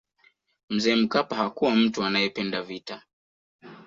mzee mkapa hakuwa mtu anayependa vita